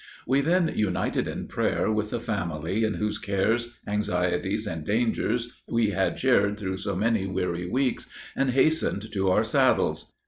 We then united in prayer with the family in whose cares, anxieties, and dangers we had shared through so many weary weeks, and hastened to our saddles.